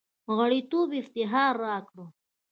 غړیتوب افتخار راکړ.